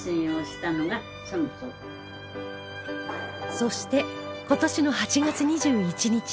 そして今年の８月２１日